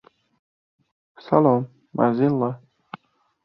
Qizning eng yaqin insoni aynan onasidir.